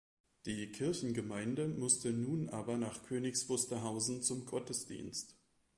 Die Kirchengemeinde musste nun aber nach Königs Wusterhausen zum Gottesdienst.